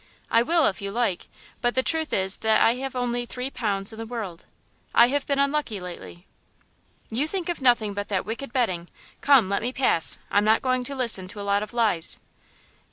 "I will if you like, but the truth is that I have only three pounds in the world. I have been unlucky lately " "You think of nothing but that wicked betting. Come, let me pass; I'm not going to listen to a lot of lies."